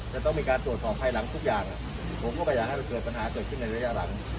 จะต้องมีการตรวจสอบภายหลังทุกอย่างผมก็ไม่อยากให้มันเกิดปัญหาเกิดขึ้นในระยะหลัง